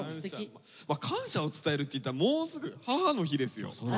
まあ感謝を伝えるっていったらもうすぐ母の日ですよ。